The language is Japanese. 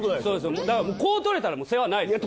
こう取れたら世話ないですよ。